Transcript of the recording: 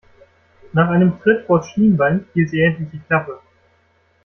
Nach einem Tritt vors Schienbein hielt sie endlich die Klappe.